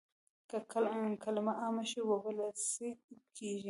که کلمه عامه شي وولسي کېږي.